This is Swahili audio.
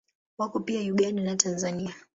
Wako pia Uganda na Tanzania.